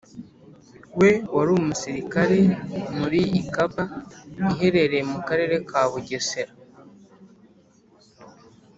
we wari umusirikare muri Ikaba iherereye mu Karere ka Bugesera